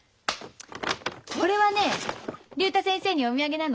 これはね竜太先生にお土産なの。